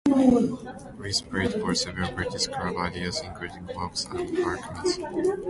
Rees played for several British club sides, including Wasps and Harlequins.